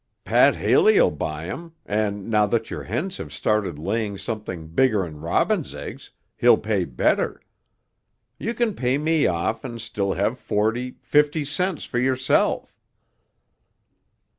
"Pat Haley'll buy 'em, and now that your hens have started laying something bigger'n robin's eggs, he'll pay better. You can pay me off and still have forty, fifty cents for yourself."